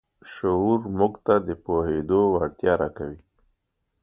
شعور موږ ته د پوهېدو وړتیا راکوي.